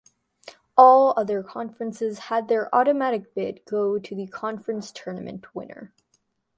All other conferences had their automatic bid go to the conference tournament winner.